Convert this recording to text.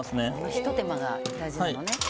一手間が大事なのね。